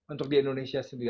untuk di indonesia sendiri